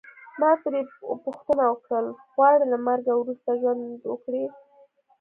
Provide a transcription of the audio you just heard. ما ترې پوښتنه وکړل غواړې له مرګه وروسته ژوند وکړې.